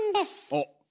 おっ。